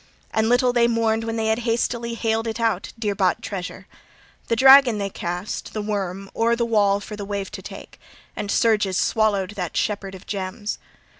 And little they mourned when they had hastily haled it out, dear bought treasure! The dragon they cast, the worm, o'er the wall for the wave to take, and surges swallowed that shepherd of gems.